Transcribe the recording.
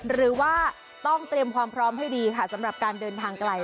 หรือว่าต้องเตรียมความพร้อมให้ดีค่ะสำหรับการเดินทางไกล